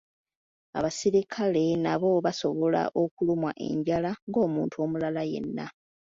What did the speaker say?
Abasirikale nabo basobola okulumwa enjala ng'omuntu omulala yenna.